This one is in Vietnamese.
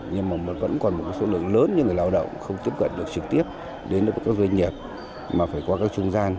nhưng mà vẫn còn một số lượng lớn những người lao động không tiếp cận được trực tiếp đến các doanh nghiệp mà phải qua các trung gian